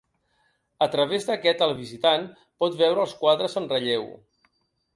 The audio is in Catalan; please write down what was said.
A través d’aquest, el visitant pot veure els quadres en relleu.